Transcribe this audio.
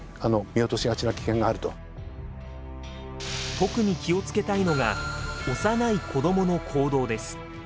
特に気を付けたいのが幼い子どもの行動です。